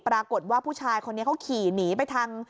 ปรากฏว่าผู้ชายคนนี้เขาขี่หนีไปทาง